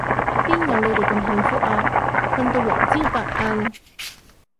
邊有你哋咁幸福啊，瞓到黃朝白晏